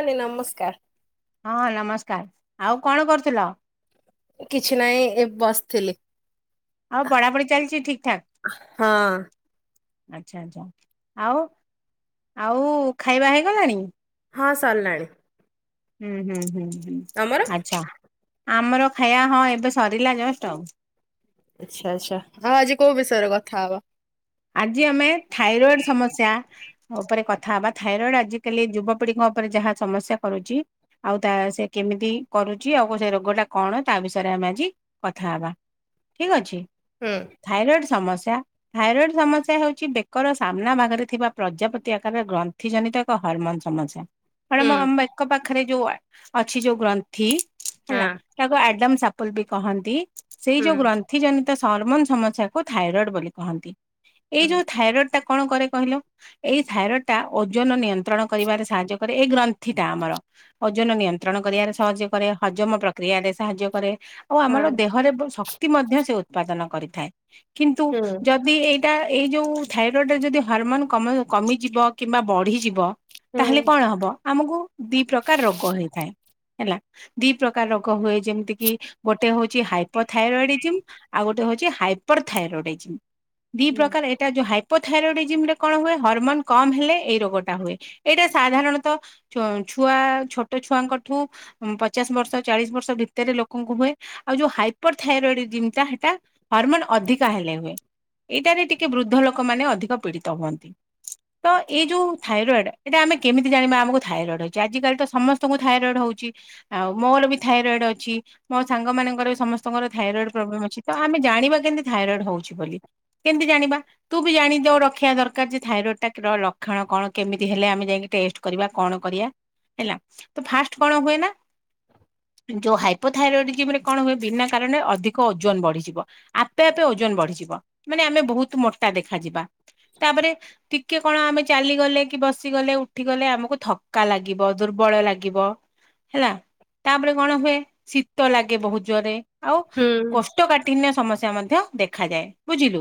ନାନୀ ନମସ୍କାର। ହଁ ନମସ୍କାର ଆଉ କଣ କରୁଥୁଲ? କିଛି ନାହିଁ ଏ ବସିଥିଲି। ଆଉ ପଢାପଢି ଚାଲିଚି ଠିକ ଠାକ? ହଁ ଆଚ୍ଛା, ଆଚ୍ଛା, ଆଉ ଆଉ ଖାଇବା ହେଇଗଲାଣି? ହଁ ସଲାଣି। ହୁଁ, ହୁଁ, ହୁଁ, ହୁଁ, ଆଚ୍ଛା। ଆମର ଖାଇଆ ହଁ ଏବେ ସରିଲା ଜଷ୍ଟ। ଆଚ୍ଛା, ଆଚ୍ଛା, ଆଉ ଆଜି କୋଉ ବିଷୟରେ କଥା ହବା? ଆଜି ଆମେ ଥାଇରଏଡ ସମସ୍ୟା ଉପରେ କଥା ହବା। ଥାଇରଏଡ ଆଜିକାଲି ଯୁବପିଢିଙ୍କ ଉପରେ ଯାହା ସମସ୍ୟା କରୁଚି। ଆଉ ତା ସେ କେମ ମିତି କରୁଚି। ଆଉ ସେ ରୋଗଟା କ ଣ ତା ବିଷୟରେ ଆମେ ଆଜି କଥା ହବା ଠିକ୍ ଅଛି? ହୁଁ ଥାଇରଏଡ଼ ସମସ୍ୟା ଥାଇରଏଡ଼ ସମସ୍ୟା ହେଉଛି ବେକର ସାମ୍ନା ଭାଗରେ ଥିବା ପ୍ରଜାପତି ଆକାରରେ ଗ୍ରନ୍ଥି ଜନିତ ଏକ ହରମୋନ ସମସ୍ୟା। କଣ ହୁଁ ମୋ ବେକ ପାଖରେ ଯୋଉ ଅଛି ଯୋଉ ଗ୍ରନ୍ଥି ହଁ ହେଲା ତାକୁ ଆଡମ୍ସ ସାପଲ୍ ବି କହନ୍ତି। ସେଇ ହୁଁ ଯୋଉ ଗ୍ରନ୍ଥି ଜନିତ ସରମୋନ ସମସ୍ୟାକୁ ଥାଇରଏଡ ବୋଲି କହନ୍ତି। ଏଇ ହୁଁ ଯୋଉ ଥାଇରଏଡ ଟା କଣ କରେ କହିଲ? ଏଇ ଥାଇରଏଡ ଟା ଓଜନ ନିୟ ନ୍ତ୍ରଣ କରିବାରେ ସାହାଯ୍ୟ କରେ। ଏ ଗ୍ରନ୍ ଥିଟା ଆମର ଓଜନ ନିୟନ୍ତ୍ରଣ କରିବାରେ ସାହାଯ୍ଯ କରେ। ହଜମ ପ୍ରକ୍ରିୟାରେ ସାହାଯ୍ୟ କରେ। ଆଉ ଆମର ହଁ ଦେହରେ ବ-ଶକ୍ତି ମଧ୍ୟ ସେ ଉତ୍ପାଦନ କରିଥାଏ। କିନ୍ତୁ ହୁଁ ଯଦି ଏ ଟା ଏଇ ଯୋଉ ଥାଇରଏଡ଼ ରେ ଯଦି ହରମୋନ କମ କମିଯିବ କିମ୍ବା ବଢ଼ିଯିବ ତାହେଲେ କଣ ହବ ଆମକୁ ଦି ପ୍ରକାର ରୋଗ ହେଇଥାଏ। ହେଲା ଦି ପ୍ରକାର ରୋଗ ହୁଏ। ଯେମିତି କିି ଗୋଟେ ହଉଚି ହାଇ ପ ଥାଇରଡିଜିମ୍। ଆଉ ଗୋଟେ ହଉଚି ହାଇପର ଥାଇରଡିଜିମ୍ ଦି ହୁଁ ପ୍ରକାର ଏଇଟା ଯୋଉ ହାଇ ପୋଥାରୋଡିଜିମ ରେ କଣ ହୁଏ ହରମୋନ କମ୍ ହେଲେ ଏଇ ରୋଗଟା ହୁଏ। ଏଇଟା ସାଧାରଣତଃ, ଛୁ ଛୁଆ ଛୋଟ ଛୁଆଙ୍କଠୁ ଉଁ, ପଚାଶ ବର୍ଷ ଚାଳିଶ ବର୍ଷ ଭିତରେ ଲୋକ ଙ୍କୁ ହୁଏ। ଆଉ ଯୋଉ ହାଇ ପରଥାଇରୋଡଜିମ ହେଟା ହରମୋନ ଅଧିକା ହେଲେ ହୁଏ। ଏଇଟାରେ ଟିକେ ବୃଦ୍ଧ ଲୋକ ମାନେ ଅଧିକ ପୀଡିତ ହୁଅନ୍ତି। ତ ଏଇ ଯୋଉ ଥାଇରଏଡ ଏଇଟା ଆମେ କେମିତି ଜାଣିବା ଆମକୁ ଥାଇରଏଡ ହେଇଚି। ଆଜିିକାଲି ତ ସମସ୍ତଙ୍କୁ ଥାଇରଏଡ ହଉଚି। ଆଉ ମୋର ବି ଥାଇରଏଡ ଅଛି। ମୋ ସାଙ୍ଗ ମାନଙ୍କର ସମସ୍ତଙ୍କର ଥାଇରଏଡ ପ୍ରୋବ୍ଲେମ୍ ଅଛି ତ। ଆମେ ଜାଣିବା କେମତି ଥାଇରଏଡ ହଉଛି ବୋଲି? କେମିତି ଜାଣିବା ତୁ ବି ଜାଣି ଯୋଉ ରଖିବା ଦରକାର ଯେ, ଥାଇରଏଡ ଟା ର ଲକ୍ଷଣ କଣ? କେମିତି ହେଲେ ଆମେ ଯାଇକି ଟେଷ୍ଟ କରିବା କଣ କରିବା, ହେଲା ତ ଫାଷ୍ଟ କଣ ହୁଏ ନା ଯୋଉ ହାଇପୋଥାଇରଏଡଜିମ ରେ କଣ ହୁଏ? ବିନା କାରଣରେ ଅଧିକ ଓଜନ ବଢିଯିବ, ଆପେ ଆପେ ଓଜନ ବଢିଯିବ। ମାନେ ଆମେ ବହୁତ ମୋଟା ଦେଖାାଯିବା। ତାପରେ ଟିକେ କଣ ଆମେ ଚାଲିଗଲେ କି ବସିଗଲେ ଉଠିଗଲେ ଆମକୁ ଥକା ଲାଗିବ। ଦୁର୍ବ ବଳ ଲାଗିବ। ହେଲା ତାପରେ କଣ ହୁଏ ଶୀତ ଲାଗେ ବହୁତ ଜୋରରେ। ଆଉ ହୁଁ କୋଷ୍ଟକାଟିନ୍ୟ ସମସ୍ୟା ମଧ୍ୟ ଦେଖାଯାଏ। ବୁଝିଲୁ,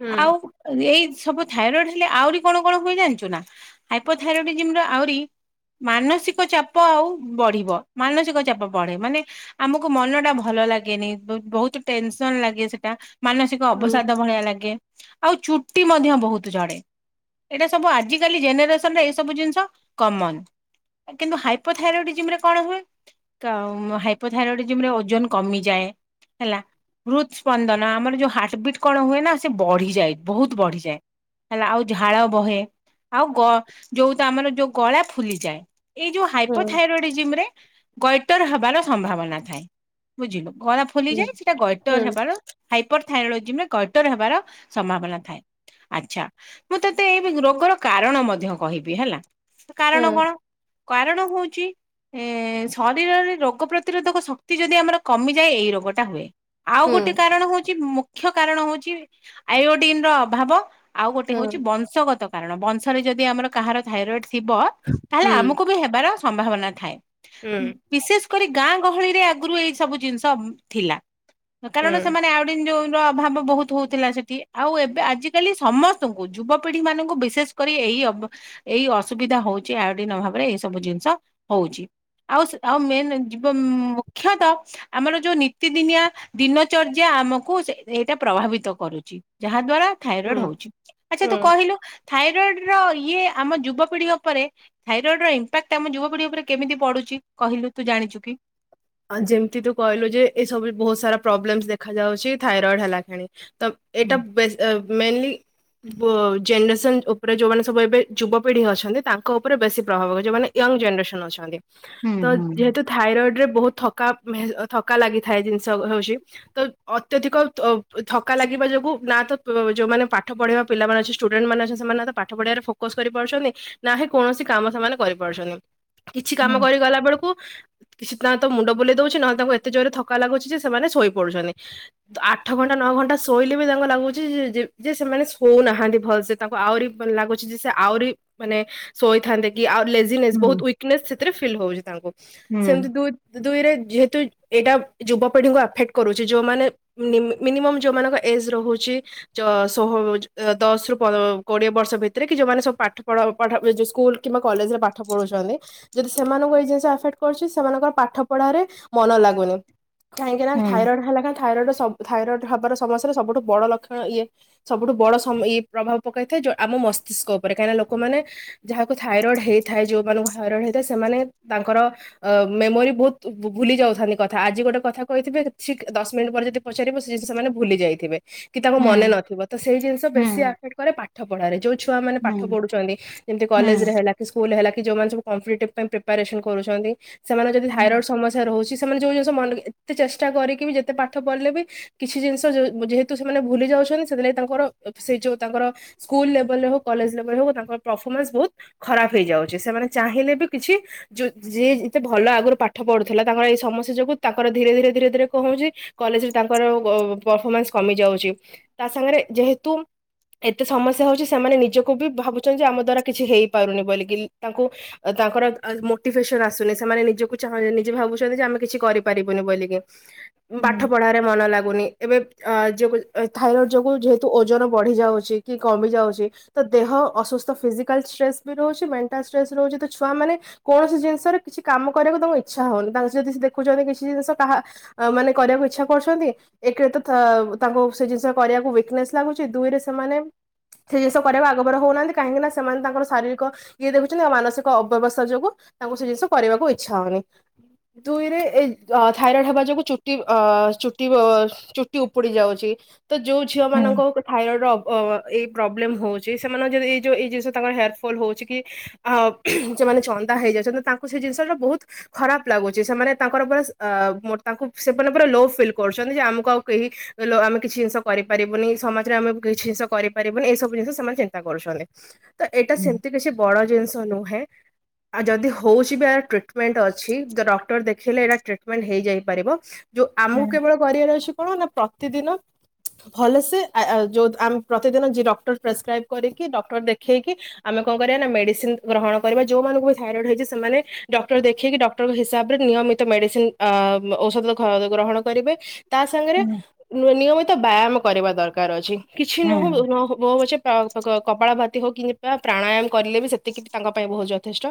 ହୁଁ ଆଉ ଏଇ ସବୁ ଥାଇରଏଡ ହେଲେ ଆହୁରି କଣ କଣ ହୁଏ ଜାଣିଚୁ ନା? ହାଇପୋଥାଇରଏଡଜିମ ର ଆହୁରି ମାନସିକ ଚାପ ଆଉ ବଢିବ। ମାନସିକ ଚାପ ବଢେ। ମାନେ ଆମକୁ ମନ ଟା ଭଲ ଲାଗେନି ବ-ବହୁତ ଟେନସନ୍ ଲାଗେ ସେଟା। ମାନସିକ ହୁଁ ଅବସ ତା ଲାଗେ। ଆଉ ଚୁଟି ମଧ୍ୟ ବହୁତ ଝଡେ। ଏଟା ସବୁ ଆଜିକାଲି ଜେନେରେସନ୍। ରେ ଏଇ ସବୁ ଜିନିଷ କମନ୍। କିନ୍ତୁ ହାଇପୋଥାଇରଏଡଜିମ ରେ କଣ ହୁଏ? ତ ହାଇପୋଥାଇରଏଡଜିମ ରେ ଓଜନ କମିଯାଏ। ହେଲା ହୃଦ୍ ସ୍ପନ୍ଦନ ଆମର ଯୋଉ ହାର୍ଟବିଟ୍ କଣ ହୁଏ ନା ସେ ବଢିଯାଏ। ବହୁତ ବଢିଯାଏ। ହେଲା ଆଉ ଝାଳ ବହେ। ଆଉ ଗ ଯୋଉ ତ ଆମର ଯୋଉ ଗଳା ଫୁଲିଯାଏ। ଏଇ ଯୋଉ ହୁଁ ହାଇପୋଥାଇରୋଡଜିମ ରେ ଗୈଟର ହବାର ସମ୍ଭାବନା ଥାଏ। ବୁଝିଲୁ। ଗଳା ହୁଁ ଫୁଲିଯାଏ ସେଟା ଗୈଟର ହୁଁ ହେବାର ହାଇପର ଥାଇରୋଲୋଜିମେ କଟର ହେବାର ସମ୍ଭାବନା ଥାଏ। ଆଚ୍ଛା ମୁଁ ତତେ ଏଇ ରୋଗର କାରଣ ମଧ୍ୟ କହିବି ହେଲା। ସେ କାରଣ ହୁଁ କଣ କାରଣ ହଉଛି ଏ ଶରୀରରେ ରୋଗ ପ୍ରତିରୋଧକ ଶକ୍ତି ଯଦି ଆମର କମିଯାଏ ଏଇ ରୋଗଟା ହୁଏ। ଆଉ ଗୋଟେ ହୁଁ କାରଣ ହଉଛି ମୁଖ୍ୟ କାରଣ ହଉଛି ଆୟୋଡିନ ର ଅଭାବ ଆଉ ଗୋଟେ ହୁଁ ହୁଁ ହଉଛି ବଂଶଗତ କାରଣ ବଂଶରେ ଯଦି ଆମର କାହାର ଥାଇରଏଡ ଥିବ ତାହେଲେ ହୁଁ ଆମକୁ ବି ହେବାର ସମ୍ଭାବନା ଥାଏ। ହୁଁ ବିଶେଷ କରି ଗାଁ ଗହଳି ରେ ଆଗରୁ ଏଇ ସବୁ ଜିନିଷ ଥିଲା। କାରଣ ହୁଁ ସେମାନେ ଆଉଡି ଯୋ ଅଭାବ ବହୁତ ହଉଥିଲା ସେଠି ଆଉ ଏବେ ଆଜିକାଲି ସମସ୍ତଙ୍କୁ ଯୁବପିଢି ମାନଙ୍କୁ ବିଶେଷ କରି ଏଇ ଏଇ ଅସୁବିଧା ହଉଛି ଆୟଡିନ ଭାବରେ ଏଇ ସବୁ ଜିନିଷ ହଉଛି। ଆଉ ଆଉ ମେନ ଜୀବ ମୁଖ୍ୟତଃ ଆମର ଯୋଉ ନିୀତିଦିନିଆ ଦିନଚର୍ଯ୍ୟା ଆମକୁ ସେ ଏଇଟା ପ୍ରଭାବିତ କରୁଛି। ଯାହା ଦ୍ଵାରା ଥାଇରଏଡ ହୁଁ ହଉଛି ଆଚ୍ଛା ତୁ ହୁଁ କହିଲୁ? ଥାଇରଏଡ ର ଇଏ ଆମ ଯୁବପିଢ଼ି ଉପରେ ଥାଇରଏଡ ର ଇମ୍ପାକ୍ଟ ଆମ ଯୁବପିଢ଼ି ଉପରେ କେମିତି ପଡୁ ଚି କହିଲୁ ତୁ ଜାଣିଛୁ କି? ଆ ଯେମିତି ତୁ କହିଲୁ ଯେ ଏସବୁ ବହୁତ ସାରା ପ୍ରୋବ୍ଲେମସ ଦେଖାଯାଉଛି ଥାଇରଏଡ ହେଲା ଖେଣି। ତ ଏଇଟ ହୁଁ ବେ ମେନଲି। ବୋ ଜେନେରେସନ ଉପରେ ଯୋଉମାନେ ସବୁ ଏବେ ଯୁବପିଢି ଅଛନ୍ତି ତାଙ୍କ ଉପରେ ବେଶୀ ପ୍ରଭାବ ଯୋଉ ମାନେ ୟ ଜେନେରେସନରେ ଅଛନ୍ତି। ହୁଁ ତ ଯେହେତୁ ହୁଁ ଥାଇରଡରେ ଥକା ମେ ଥକା ଲାଗିଥାଏ। ଜିନିଷ ହୋଉଛି ତ ଅତ୍ୟଧିକ ଅ ଥକା ଲାଗିବା କୁ ନା ତ ଆଁ ଯୋଉମାନେ ପାଠ ପଢିବା ପିଲାମାନେ ସ୍ଟୁଡେଣ୍ଟ ମାନେ ଅ ସେମାନେ ତ ପାଠ ପଢାରେ ଫୋକସ କରି ପାରୁଛନ୍ତି। ନାହିଁ କୌଣସି କାମ ସେମାନେ କରିପାରୁଛନ୍ତି କିଛି କାମ କରିଗଲା ବେଳକୁ କିଛି ତ ମୁଣ୍ଡ ବୁଲେଇ ଦଉଛି ନହେଲେ ତାଙ୍କୁ ଏତେ ଜୋରେ ଥକା ଲାଗୁଛି ଯେ ସେମାନେ ଶୋଇ ପଡୁଛନ୍ତି ଆଠ ଘଣ୍ଟା ନଅ ଘଣ୍ଟା ଶୋଇ [unintelligible] ଲାଗୁଛି ଯେ-ଯେ ସେମାନେ ଶୋଉନାହାନ୍ତି ଭଲ ସେ ତାଙ୍କୁ ଆହୁରି ଲାଗୁଛି ଯେ ଆହୁରି ମାନେ ଶୋଇଥାନ୍ତେ କି ଆଉ ଲେଜିନେସ୍ ବହୁତ ହୁଁ ୱିକନେସ୍ ସେଥିରେ ଫିଲ୍ ହଉଛି ତାଙ୍କୁ ହୁଁ। ସେମତି ଦୁଇ ଦୁଇରେ ଯେହେତୁ ଏଇଟା ଯୁବପିଢିଙ୍କୁ ଆଫେକ୍ଟ କରୁଛି ଯୋଉମାନେ ମିନି-ମିନିମମ ଯୋଉମାନଙ୍କ ରହୁଛି ଚ ଷୋହଳ ଅ ଦଶ ପ ରୁ କୋଡିଏ ବର୍ଷ ଭିତରେ କି ଯୋଉମାନେ ସବୁ ପାଠ ପଢା ପଢା [unintelligible] ସ୍କୁଲ କିମ୍ବା କଲେଜରେ ପାଠ ପଢୁଛନ୍ତି ଯଦି ସେମାନଙ୍କୁ ଏ ଜିନିଷ ଆଫେକ୍ଟ କରୁଛି ସେମାନଙ୍କର ପା ପାଠ ପଢାରେ ମନ ଲାଗୁନି କାହିଁକିନା ଥାଇରଏଡ ହେଲା ଥାଇରଡ ସ ଥାଇରଏଡ ହବାର ସମସାରେ ସବୁଠୁ ବଡ ଲକ୍ଷଣ ଇଏ ସବୁଠୁ ବଡ ସ ପ୍ରଭାବ ପକାଇଥାଏ। ଆମ ମସ୍ତିଷ୍କ ଉପରେ କାହିଁକିନା ଲୋକମାନେ ଯାହାକୁ ଥାଇରଏଡ ହେଇଥାଏ ଯୋଉମାନଙ୍କୁ ଥାଇରଏଡ ହେଇଥାଏ ସେମାନେ ତାଙ୍କର ଅ ମେମୋରି ବହୁତ ଭୁ-ଭୁଲି ଯାଉଥାନ୍ତି କଥା ଆଜି ଗୋଟେ କଥା କହିଥିବେ ଠିକ ଦଶ ମିନିଟ୍ ପରେ ଯଦି ପଚାରିବ ସିଏ, ସେମାନେ ଭୁଲି ଯାଇଥିବେ। କି ତାଙ୍କୁ ମନେ ନଥିବ ତ ସେଇ ଜିନିଷ ବେଶୀ ଆଫେକ୍ଟ କରେ ପାଠ ପଢାରେ ଯୋଉ ଛୁଆମାନେ ପାଠ ପଢୁଛନ୍ତି ଯେମିତି କଲେଜ ରେ ହେଲା କି ସ୍କୁଲରେ ହେଲା। ଯୋଉମାନେ କମ୍ପିଲିଟିଭ ପ୍ରିପାରେସନ୍ କରୁଛନ୍ତି। ସେମାନେ ଯଦି ଥାଇରଡ ସମସ୍ୟା ରହୁଛି। ସେମାନେ ଯୋଉ ଜିନିଷ ମନ ଏତେ ଚେଷ୍ଟା କରିକି ବି ଯେତେ ପାଠ ପଢିଲେ ବି କିଛି ଜିନିଷ ଯେହେତୁ ସେମାନେ ଭୁଲି ଯାଉଛନ୍ତି ସେତିଲାଗି ତାଙ୍କର ସେ ଯୋଉ ତାଙ୍କର ସ୍କୁଲ ଲେବଲରେ ହଉ କଲେଜ ଲେଲରେ ହଉ ତାଙ୍କ ପ୍ରଫମାନ୍ସ ବହୁତ ଖରାପ ହେଇଯାଉଛି ସେମାନେ ଚାହିଁଲେ ବି କିଛି ଯୋ-ଯିଏ ଯେତେ ଭଲ ଆଗରୁ ପା ପଠ ପଢୁଥିଲା ତାଙ୍କର ଏଇ ସମସ୍ୟା ଯୋଗୁଁ ତାଙ୍କର ଧୀରେ ଧୀରେ ଧୀରେ ଧୀରେ କଣ ହଉଛି କଲେଜରେ ତାଙ୍କର ଗ ପରଫମାନ୍ସ କମି ଯାଉଛି ତା ସାଙ୍ଗରେ ଯେହେତୁ ଏତେ ସମସ୍ୟା ହଉଛି ସେମାନେ ନିଜକୁ ବି ଭାବୁଛନ୍ତି। ଆମ ଦ୍ଵାରା କିଛି ହେଇପାରୁନି ବୋଲିକି ତାଙ୍କୁ ତାଙ୍କର ଆ ମୋଟିଭେସନ ଆସୁନି ସେମାନେ ନିଜକୁ [unintelligible] ନିଜେ ଭାବୁଛନ୍ତି ଯେ ଆମେ କିଛି କରିପାରିବୁନି ବୋଲିକି ପାଠ ପଢ଼ାରେ ମନ ଲାଗୁନି। ଏବେ ଆଉ ଯେଉଁ ଥାଇରଏଡ୍ ଯୋଗୁଁ ଯେହେତୁ ଓଜନ ବଢ଼ିଯାଉଛି କି କମିଯାଉଛି ତ ଦେହ। ଅସୁସ୍ଥ ଫିଜିକାଲ ଷ୍ଟ୍ରେସ ବି ରହୁଛି ମେଣ୍ଟାଲ ଷ୍ଟ୍ରେସ ରହୁଛି ତ ଛୁଆମାନେ କୌଣସି ଜିନିଷରେ କିଛି କାମ। କରିବାକୁ ତାଙ୍କୁ ଇଚ୍ଛା ହଉନି ତାଙ୍କ ସାଙ୍ଗସାଥୀ ଦେଖୁଛନ୍ତି କିଛି ଜିନିଷ କାହା ମାନେ କରିବାକୁ ଇଚ୍ଛା କରୁଛନ୍ତି, ଏକେରେ ଥା ତାଙ୍କୁ ସେ ଜିନିଷ କରିବାକୁ ୱିକ୍‌ନେସ୍ ଲାଗୁଛି ଦୁଇରେ ସେମାନେ ସେ ଜିନିଷ କରିବାକୁ ଆଗଭର ହଉନାହାନ୍ତି କାହିଁକିନା ସେମାନେ ତାଙ୍କର ଶାରୀରିକ ଇଏ ଦେଖୁଛନ୍ତି ଆଉ ମାନସିକ ଅବ୍ୟବସ୍ଥା ଯୋଗୁଁ ତାଙ୍କୁ ସେ ଜିନିଷ କରିବାକୁ ଇଚ୍ଛା ହଉନି। ଦୁଇରେ ଏଇ ଅ ଥାଇରଏଡ୍ ହେବା ଯୋଗୁଁ ଚୁଟି ଅ ଚୁଟି ଅ ଚୁଟି ଉପୁଡି ଯାଉଛି। ତ ଯେଉଁ ଝିଅମାନଙ୍କର ଥାଇରାଏଡ୍ ର ଅବ ଏଇ ପ୍ରୋବ୍ଲେମ ହେଉଛି ସେମାନେ ଯେ ଏଇ ଯୋଉ ଏଇ ଜିନିଷ ତାଙ୍କର ହେଲ୍ପଫୁଲ୍ ହେଉଛି କି ସେମାନେ। ହେଇଯାଉଛନ୍ତି ତାଙ୍କୁ ସେ ଜିନିଷଟା। ବହୁତ ଖରାପ ଲାଗୁଛି ସେମାନେ ତାଙ୍କର ପୁରା ତାଙ୍କୁ ସେମାନେ ପୁରା ଲୋ ଫିଲ୍ କରୁଛନ୍ତି ଯେ ଆମକୁ ଆଉ। କି ଆମେ କିଛି ଜିନିଷ କରିପାରିବୁନି ସମାଜରେ ଆମେ କିଛି ଜିନିଷ କରିପାରିବୁନି ଏସବୁ ଜିନିଷ ସେମାନେ ଚିନ୍ତା କରୁଛନ୍ତି। ତ ଏଇଟା ସେମିତି କିଛି ବଡ଼ ଜିନିଷ ନୁହେଁ ଆଉ ଯଦି ହଉଛି ବି ଆର ଟ୍ରିଟ୍‌ ଟ୍ରିଟ୍‌ମେଣ୍ଟ ଅଛି ଦ ଡକ୍ଟର ଦେଖେଇଲେ ଏଇଟା ଟ୍ରିଟ୍‌ମେଣ୍ଟ ହେଇଯାଇପାରିବ ଯୋଉ ଆମକୁ କେବଳ କରିବାର ଅଛି। କଣ ନା ପ୍ରତିଦିନ। ଭଲସେ ଜୋଉ ଆମ ପ୍ରତିଦିନ ଜି ଡକ୍ଟର ପ୍ରେସକ୍ରାଇବ୍ କରି କି ଡକ୍ଟର ଦେଖେଇ କି ଆମେ କଣ କରିବା ନା ମେଡିସିନ ଗ୍ରହଣ କରିବା ଯୋଉମାନଙ୍କୁ ବି ଥାଇରଏଡ ହେଇଛି ସେମାନେ ଡକ୍ତର୍ ଦେଖେଇକି ଡ଼କ୍ଟରଙ୍କ ହିସାବରେ ନିୟମିତ ମେଡ଼ିସିନ ଆ ଔଷଧ ଗ୍ରହଣ କରିବେ। ତା ସାଙ୍ଗରେ ନିୟମିତ ବ୍ୟାୟାମ କରିବା ଦରକାର ଅଛି। କିଛି ନହୋଉପଛେ। କପାଳଭାତି ହଉ କିମ୍ବା ପ୍ରାଣାୟାମ କରିଲେ ବି ସେତିକି ତାଙ୍କ ପାଇଁ ବହୁତ ଯଥେଷ୍ଟ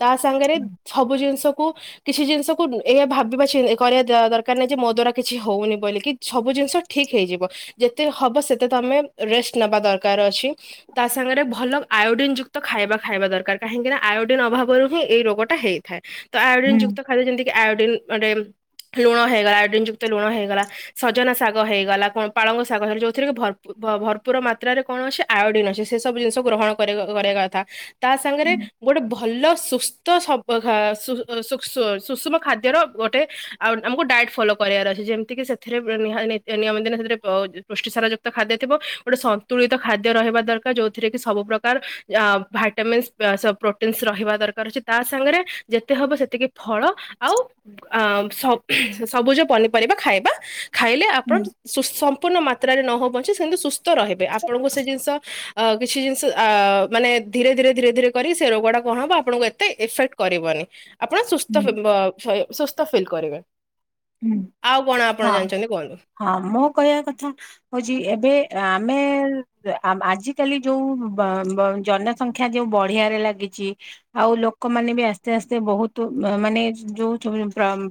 ତା ସାଙ୍ଗରେ ସବୁ ଜିନିଷକୁ କିଛି ଜିନିଷକୁ ଏଇୟା ଭାବିବା କରିବା ଦରକାର ନାହିଁ ଯେ ମୋ ଦ୍ଵାରା କିଛି ହଉନି। ବୋଇଲିକି ସବୁ ଜିନିଷ ଠିକ୍ ହେଇଯିବ ଯେତେ ହବ ସେତେ ତମେ ରେଷ୍ଟ ନେବା ଦରକାର ଅଛି। ତା ସାଙ୍ଗରେ ଭଲ ଆୟୋଡିନ ଯୁକ୍ତ ଖାଇବା ଖାଇବା ଦରକାର କାହିଁକି ନା ଆୟୋଡିନ ଅଭାବରୁ ହିଁ ଏଇ ରୋଗ ହେଇଥାଏତ ଆୟୋଡିନ ଯୁକ୍ତ ଖାଦ୍ୟ ଯେମିତିକି ଆୟୋଡିନ ରେ ଲୁଣ ହେଇଗଲା ଆୟୋଡିନ ଯୁକ୍ତ ଲୁଣ ହେଇଗଲା ସଜନା ଶାଗ ହେଇଗଲା କଣ ପାଳଙ୍ଗ ଶାଗ ହେଇଗଲା ଯେଉଁଥିରେ କି ଭରପୁର ଭରପୁର ମାତ୍ରାରେ କଣ ଅଛି ଆୟୋଡିନ ଅଛି ସେସବୁ ଜିନିଷକୁ ଗ୍ରହଣ କରିବା କଥା ତା ସାଙ୍ଗରେ। ଗୋଟେ ଭଲ ସୁସ୍ଥ ସବୁ। ସୁଷମ ଖାଦ୍ୟର ଗୋଟେ ଆମକୁ ଡାଏଟ୍ ଫଲୋ କରିବାର ଅଛି ଯେମିତି କି? ସେଥିରେ ନିୟମ ଦିନ ସେଥିରେ ପୁଷ୍ଟିସାର ଯୁକ୍ତ ଖାଦ୍ୟ ଥିବ ଗୋଟେ ସନ୍ତୁଳିତ ଖାଦ୍ୟ ରହିବା ଦରକାର ଯେଉଁଥିରେ କି ସବୁ ପ୍ରକାର ଭିଟାମିନ୍ସ ପ୍ରୋଟିନ୍ସ ରହିବା ଦରକାର ଅଛି ତା ସାଙ୍ଗରେ। ଯେତେ ହବ ସେତିକି ଫଳ ଆଉ ସବୁଜ ପନିପରିବା ଖାଇବା। ଖାଇଲେ ଆପଣ ସମ୍ପୂର୍ଣ୍ଣ ମାତ୍ରାରେ ନହେଉ ପଛେ ବୋଲି ସେମିତି ସୁସ୍ଥ ରହିବେ, ଆପଣଙ୍କୁ ସେ ଜିନିଷ। କିଛି ଜିନିଷ ମାନେ ଧୀରେ ଧୀରେ ଧୀରେ ଧୀରେ କରି ସେ ରୋଗଟା କଣ ହବ ଆପଣଙ୍କୁ ଏତେ ଇଫେକ୍ଟ। କରିବନି ଆପଣ ସୁସ୍ଥ ଫିଲ୍ କରିବେ। ହୁଁ। ଆଉ କଣ ଆପଣ ହଁ ଜାଣିଛନ୍ତି କୁହନ୍ତୁ? ହଁ ମୁଁ କହିବା କଥା ହେଉଛି ଏବେ ଆମେ ଆଜିକାଲି ଯେଉଁ ଜନସଂଖ୍ୟା ଯେଉଁ ବଢ଼ିବାରେ ଲାଗିଛି ଆଉ ଲୋକ। ଲୋକମାନେ ବି ଆସ୍ତେ ଆସ୍ତେ ବହୁତ ମାନେ ଯେଉଁ ସବୁ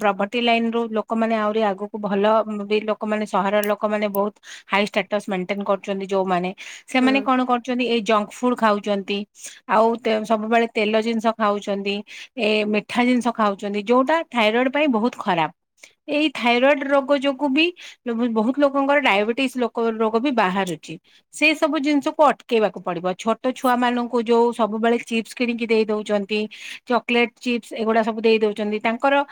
ପ୍ରପର୍ଟି ଲାଇନ୍‌ରୁ ଲୋକ ଲୋକମାନେ ଆହୁରି ଆଗକୁ ଭଲ ବି ଲୋକମାନେ ସହର ଲୋକମାନେ ବହୁତ ହାଇ ଷ୍ଟାଟସ ମେଣ୍ଟେନ କରୁଛନ୍ତି। ଜେଉଁମାନେ ହୁଁ ସେମାନେ କଣ କରୁଛନ୍ତି ଏଇ ଜଙ୍କ ଫୁଡ୍ ଖାଉଛନ୍ତି ଆଉ ସବୁବେଳେ ତେଲ ଜିନିଷ ଖାଉଛନ୍ତି ଏ ମିଠା ଜିନିଷ ଖାଉଛନ୍ତି ଯେଉଁଟା ଥାଇରଏଡ୍ ପାଇଁ ବହୁତ ଖରାପ। ଏଇ ଥାଇରଏଡ୍ ରୋଗ ଯୋଗୁଁ ବି ବହୁତ ଲୋକଙ୍କର ଡାଇବେଟିସ୍ ରୋଗ ବି ବାହାରୁଛି। ସେ ସବୁ ଜିନିଷକୁ ଅଟକେଇବାକୁ ପଡ଼ିବ ଛୋଟ ଛୁଆମାନଙ୍କୁ ଯେଉଁ ସବୁବେଳେ ଚିପ୍ସ କିଣିକି ଦେଇଦଉଛନ୍ତି ଚକଲେଟ ଚିପ୍ସ ଏଗୁଡା ସବୁ ଦେଇଦଉଛନ୍ତି ତାଙ୍କର।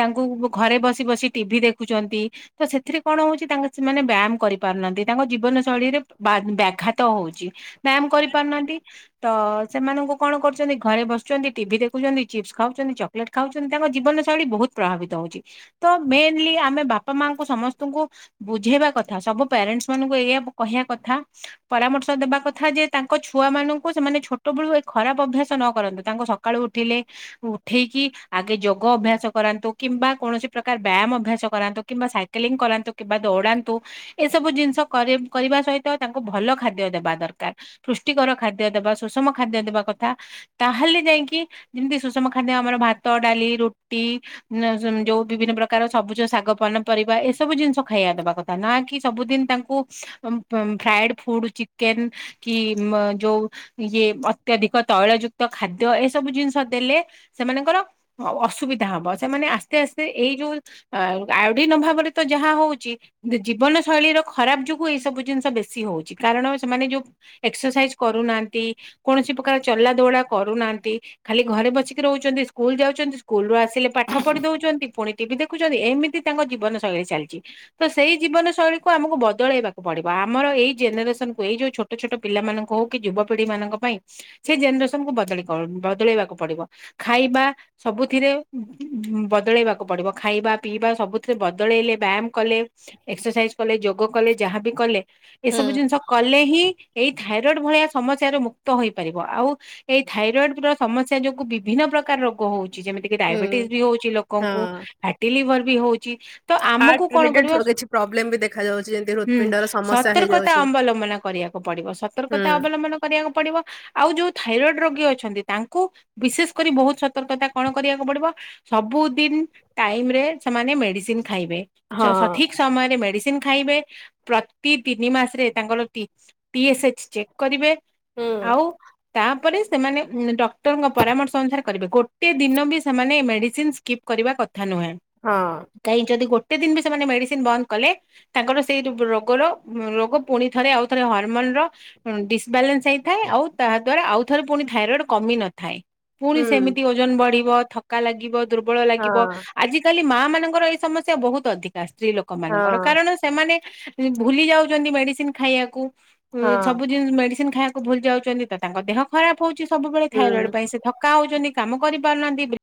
ତାଙ୍କୁ ଘରେ ବସି ବସି ଟିଭି ଦେଖୁଛନ୍ତି ତ ସେଥିରେ କଣ ହଉଛି ତା ସେମାନେ ବ୍ୟାୟାମ୍ କରିପାରୁନାହାନ୍ତି ତାଙ୍କ ଜୀବନ ଶୈଳୀରେ ବ୍ୟାଘାତ ହେଉଛି ବ୍ୟାୟାମ କରିପାରୁନାହାନ୍ତି ତ ସେମାନଙ୍କୁ କଣ କରୁଛନ୍ତି ଘରେ। ଘରେ ବସୁଛନ୍ତି ଟିଭି ଦେଖୁଛନ୍ତି ଚିପ୍ସ ଖାଉଛନ୍ତି ଚକଲେଟ ଖାଉଛନ୍ତି ତାଙ୍କ ଜୀବନ ଶୈଳୀ ବହୁତ ପ୍ରଭାବିତ ହଉଛି। ତ ମେନଲି ଆମେ ବାପା ମାଙ୍କ ସମସ୍ତଙ୍କୁ ବୁଝେଇବା କଥା ସବୁ ପ୍ୟାରେଣ୍ଟସ ମାନଙ୍କୁ ଏହି କହିବା କଥା ପରାମର୍ଶ ଦେବା ଏହି କଥା ଯେ ତାଙ୍କ ଛୁଆ ମାନଙ୍କୁ ସେମାନେ ଛୋଟ ବେଳୁ ଏ ଖରାପ ଅଭ୍ୟାସ ନ କରନ୍ତୁ ତାଙ୍କୁ ସକାଳୁ ଉଠିଲେ ଉଠେଇକି ଆଗେ ଯୋଗ ଅଭ୍ୟାସ କରାନ୍ତୁ କିମ୍ବା କୌଣସି ପ୍ରକାର ବ୍ୟାୟାମ ଅଭ୍ୟାସ କରାନ୍ତୁ କିମ୍ବା ସାଇକେଲିଂ କରାନ୍ତୁ କିମ୍ବା ଦୌଡାନ୍ତୁ ଏସବୁ ଜିନିଷ କରି କରି ସୋଇବା ସହିତ ତାଙ୍କୁ ଭଲ ଖାଦ୍ୟ ଦେବା ଦରକାର, ପୃଷ୍ଟିକର ଖାଦ୍ୟ ଦେବା, ସୁଷମ ଖାଦ୍ୟ ଦେବା କଥା। ତାହେଲେ ଯାଇକି ଯେମିତି ସୁଷମ ଖାଦ୍ୟ ଆମର ଭାତ, ଡାଲି, ରୁଟି ଯୋଉ ବିଭିନ୍ନ ପ୍ରକାର ସବୁଜ ଶାଗ ପାନ ପରିବା ଏସବୁ ଜିନିଷ ଖାଇବା ଦେବା କଥା ନା କି ସବୁଦିନ ତାଙ୍କୁ ଫ୍ରାଏଡ୍ ଫୁଡ୍ ଚିକେନ୍ କି ଯୋଉ ୟେ ଅତ୍ୟଧିକ ତୈଳଯୁକ୍ତ ତ ଖାଦ୍ୟ ଏସବୁ ଜିନିଷ ଦେଲେ ସେମାନଙ୍କର ଅସୁବିଧା ହବ ସେମାନେ ଆସ୍ତେ ଆସ୍ତେ ଏଇ ଯୋଉ ଆୟୋଡିନ ଅଭାବରେ ତ ଯାହା ହଉଛି ଜୀବନ ଶୈଳୀର ଖରାପ ଯୋଗୁ ଏସବୁ ଜିନିଷ ବେଶି ହଉଛି କାରଣ ସେମାନେ ଯଉ ଏକ୍ସରସାଇଜ୍ କରୁନାହାନ୍ତି କୌଣସି ପ୍ରକାର ଚଲା ଦୌଡା କରୁନାହାନ୍ତି, ଖାଲି ଘରେ ବସିକି ରହୁଛନ୍ତି ସ୍କୁଲ ଯାଉଛନ୍ତି ସ୍କୁଲରୁ ଆସିଲେ ପାଠ ପଢି ଦଉଛନ୍ତି। ପୁଣି ଟିଭି ଦେଖୁଛନ୍ତି ଏମିତି ତାଙ୍କ ଜୀବନ ଶୈଳୀ ଚାଲିଛି, ତ ସେଇ ଜୀବନ ଶୈଳୀକୁୁ ଆମକୁ ବଦଳେଇବାକୁ ପଡେ। ଆମର ଏଇ ଜେନେରେସନ୍‌କୁ ଏଇ ଯୋଉ ଛୋଟ ଛୋଟ ପିଲାମାନଙ୍କୁ ହେଉ କି ଯୁବପିଢିମାନଙ୍କ ପାଇଁ ସେ ଜେନେରେସ ସେମାନଙ୍କୁ ବଦଳି କର-ବଦଳେଇବାକୁ ପଡିବ ଖାଇବା ସବୁଥିରେ ବଦଳେଇବାକୁ ପଡିବ ଖାଇବା ପିଇବା ସବୁଥିରେ ବଦଳେଇଲେ ବ୍ୟାୟାମ କଲେ, ଏକ୍ସରସାଇଜ କଲେ, ଯୋଗ କଲେ ଯାହାବି କଲେ ହୁଁ ଏସବୁ ଜିନିଷ କଲେ ହିଁ ଏଇ ଥାଇରଏଡ୍ ଭଳିଆ ସମସ୍ୟାରୁ ମୁକ୍ତ ହୋଇପାରିବ, ଆଉ ଏଇ ଥାଇରଏଡ୍‌ର ସମସ୍ୟା ଯୋଗୁଁ ବିଭିନ୍ନ ପ୍ର ପ୍ରକାର ରୋଗ ହଉଛି ଯେମିତି କି ହୁଁ ଡାଇବେଟିସ୍ ବି ହଉଛି ହଁ ଲୋକଙ୍କୁ, ଫାଟି ଲିଭର ବି ହଉ ତ ହାର୍ଟ ଆମକୁ କଣ କରିବା, ରିଲେଟେଡ କିଛି ପ୍ରୋବ୍ଲେମ ବି ଦେଖା ଯାଉଛି ଯେମିତି ହୁଁ ହୃତ୍ପିଣ୍ଡର ସମସ୍ୟା ସତର୍କତା ହେଇଯାଉଛି। ଅବଲମ୍ବ କରିବାକୁ ପଡିବ ସତର୍କତା ହୁଁ ଅବଲମ୍ବନ କରିବାକୁ ପଡିବ, ଆଉ ଯୋଉ ଥାଇରଏଡ୍ ରୋଗୀ ଅଛନ୍ତି ତାଙ୍କ କୁ ବିଶେଷ କରି ବହୁତ ସତର୍କତା କଣ କରିବାକୁ ପଡିବ, ସବୁ ଦିନ୍ ଟାଇମ ରେ ସେମାନେ ମେଡିସିନ୍ ଖାଇବେ ଚ ହଁ ସଠିକ୍ ସମୟରେ ମେଡି ଖାଇବେ, ପ୍ରତି ତିନି ମାସରେ ତାଙ୍କର ଟି-ଟି ଏସ ଏଚ ଚେକ୍ କରିବେ। ହୁଁ ଆଉ ତାପରେ ସେମାନେ ଡକ୍ଟରଙ୍କ ପରାମର୍ଶ ଅନୁସାରେ କରିବେ, ଗୋଟେ ଦିନ ବି ସେମାନେ ମେଡ଼ିସିନ୍ ସ୍କିପ୍ କରିବା କଥା କଥା ନୁହେଁ, ହଁ କାହିଁ ଯଦି ଗୋଟେ ଯେତେ ଦିନ ବି ସେମାନେ ମେଡ଼ିସିନ୍ ବନ୍ଦ କଲେ ତାଙ୍କର ସେଇ ରୋଗର ରୋଗ ପୁଣି ଥରେ ଆଉ ଥରେ ହରମୋନ୍ ର ଡିସବ୍ୟାଲାନ୍ସ ହେଇଥାଏ ଆଉ ତାହାଦ୍ଵାରା ଆଉଥରେ ପୁଣି ଥାଇରଏଡ୍‌ କମିନଥାଏ, ପୁଣି ହୁଁ ସେମିତି ଓଜନ ବଢ଼ିବ ଥକା ଲାଗିବ ଦୁର୍ବଳ ହଁ ଲାଗିବ ଆଜିିକାଲି ମାଆ ମାନଙ୍କର ଏଇ ସମସ୍ୟା ବହୁତ ଅଧିକ। ତା ସ୍ତ୍ରୀ ଲୋକ ହଁ ମାନଙ୍କର କାରଣ ସେମାନେ ଭୁଲି ଯାଉଛନ୍ତି ମେଡିସିନ୍ ଖାଇବାକୁ। ଉ ହଁ ସବୁଦିନ୍ ମେଡିସିନ୍ ଖାଇବାକୁ ଭୁଲି ଯାଉଛନ୍ତି ତ ତାଙ୍କ ଦେହ ଖରାପ ହଉଛି। ସବୁବେଳେ ଥାଇରଏଡ୍ ହୁଁ ପାଇଁ ସେ ଥକା ହଉଛନ୍ତି କାମ କରିପାରୁନାହାନ୍ତି, ବି